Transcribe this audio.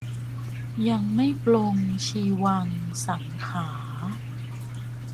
ยังไม่ปลงชีวังสังขาร์